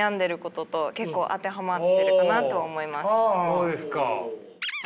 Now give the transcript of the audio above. そうですか。